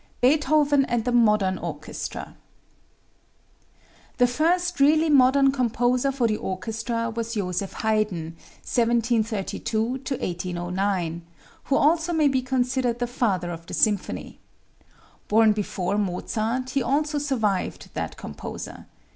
Beethoven and the Modern Orchestra. The first really modern composer for the orchestra was Joseph Haydn (1732 1809), who also may be considered the father of the symphony. Born before Mozart, he also survived that composer.